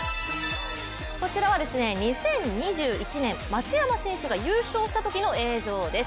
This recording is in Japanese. こちらは２０２１年、松山選手が優勝したときの映像です。